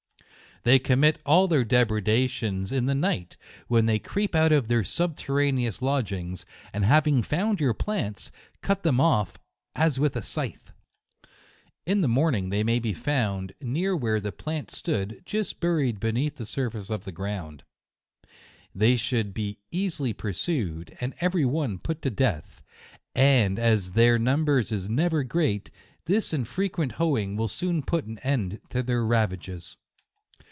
They com mit all their depredations in the night, when they creep out of their subterraneous lodg ings, and having found your plants, cut them off as with a scythe. In the morning they JUNE. 131 may be found, nfcar where the plant stood, just buried beneath the surface of the ground. They suould be early pursued, and every one put to death ; and as their number is never great, this and frequent hoeing will soon put an end to their ravages.